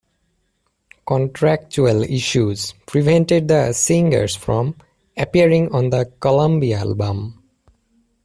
Contractual issues prevented the singers from appearing on the Columbia album.